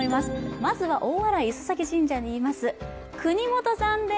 まずは大洗磯前神社にいます國本さんです、